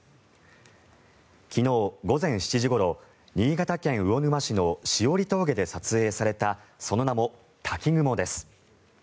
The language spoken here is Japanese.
昨日午前７時ごろ新潟県魚沼市の枝折峠で撮影されたその名も滝雲です。